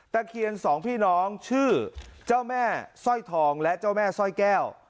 ตะเขียน๒พี่น้องชื่อเจ้าแม่ซ่อยทองและเจ้าแม่ซ่อยแก้ว